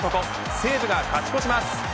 西武が勝ち越します。